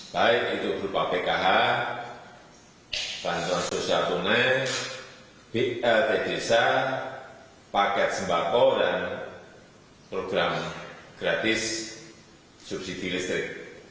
baik itu berupa pkh bantuan sosial tunai bip lpg desa paket sembako dan program gratis subsidi listrik